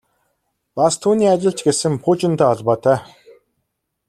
Бас түүний ажил ч гэсэн пуужинтай холбоотой.